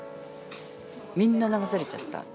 みんな流されちゃった。